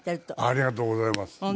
ありがとうございます。